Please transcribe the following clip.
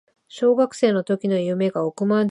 小学生の時の夢が億万長者